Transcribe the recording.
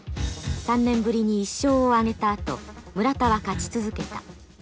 ３年ぶりに１勝をあげたあと村田は勝ち続けた。